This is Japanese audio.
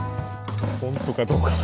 本当かどうかは。